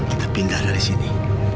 kita pindah dari sini